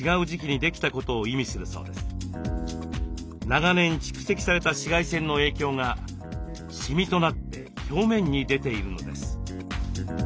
長年蓄積された紫外線の影響がシミとなって表面に出ているのです。